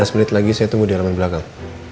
lima belas menit lagi saya tunggu di halaman belakang